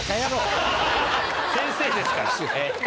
先生ですから。